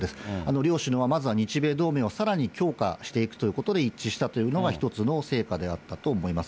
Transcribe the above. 両首脳はまずは日米同盟をさらに強化していくということで一致したというのが一つの成果であったと思います。